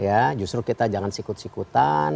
ya justru kita jangan sikut sikutan